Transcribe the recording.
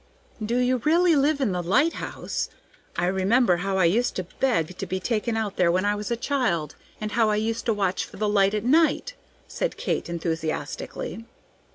"Do you really live in the lighthouse? I remember how I used to beg to be taken out there when I was a child, and how I used to watch for the light at night," said Kate, enthusiastically.